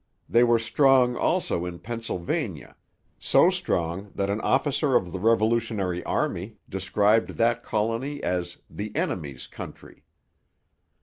They were strong also in Pennsylvania, so strong that an officer of the revolutionary army described that colony as 'the enemies' country.'